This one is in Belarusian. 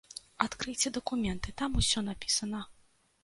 Адкрыйце дакументы, там усё напісана.